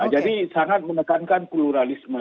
jadi sangat menekankan pluralisme